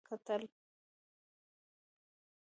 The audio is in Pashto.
پوښتنه وکړه: موټر دې ولید؟ نه، موږ تا ته کتل.